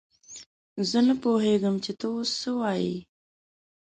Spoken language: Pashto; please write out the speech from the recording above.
زه نه پوهېږم چې ته اوس څه وايې!